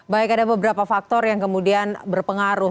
baik ada beberapa faktor yang kemudian berpengaruh